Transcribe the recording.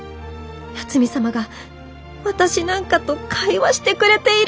八海サマが私なんかと会話してくれている！